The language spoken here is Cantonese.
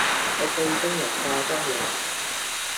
我最憎人化妝濃